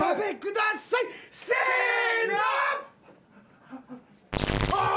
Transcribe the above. せの！